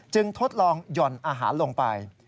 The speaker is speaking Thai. ทดลองหย่อนอาหารลงไป